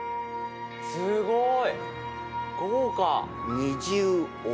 すごい。